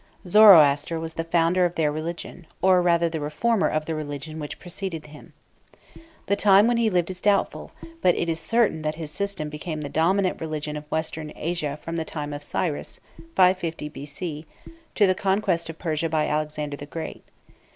Zoroaster was the founder of their religion, or rather the reformer of the religion which preceded him. The time when he lived is doubtful, but it is certain that his system became the dominant religion of Western Asia from the time of Cyrus (550 B.C.) to the conquest of Persia by Alexander the Great.